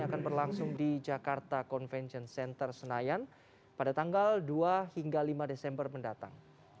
akan berlangsung di jakarta convention center senayan pada tanggal dua hingga lima desember mendatang